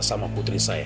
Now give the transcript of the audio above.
sama putri saya ya